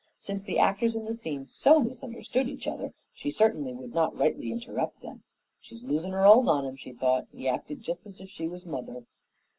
Since the actors in the scene so misunderstood each other, she certainly would not rightly interpret them. "She's losin' her hold on 'im," she thought, "He acted just as if she was mother."